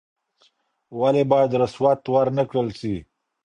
ولي بايد رسوت ورنکړل سي؟